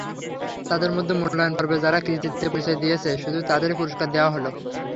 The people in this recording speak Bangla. তাদের মধ্যে মূল্যায়নপর্বে যারা কৃতিত্বের পরিচয় দিয়েছে, শুধু তাদেরই পুরস্কার দেওয়া হলো।